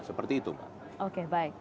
seperti itu oke baik